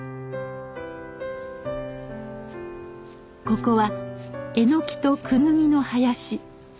ここはエノキとクヌギの林。